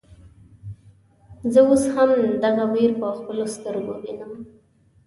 زه اوس هم دغه وير په خپلو سترګو وينم.